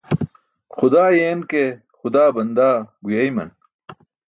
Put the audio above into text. Xudaa yeen ke xudaa bandaa guyeeyman.